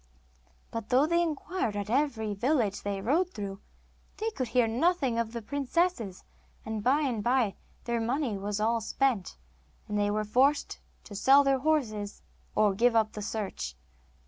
But though they inquired at every village they rode through, they could hear nothing of the princesses, and by and by their money was all spent, and they were forced to sell their horses, or give up the search.